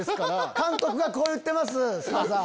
監督がこう言ってます菅田さん。